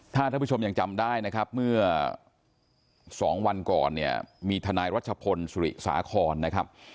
ถ้าท่านผู้ชมยังจำได้นะครับเมื่อสองวันก่อนเนี่ยมีทนายรัชพลสุริสาครนะครับ